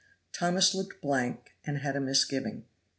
Thomas looked blank and had a misgiving.